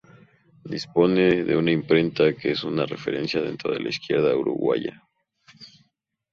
Disponen de una imprenta que es una referencia dentro de la izquierda uruguaya.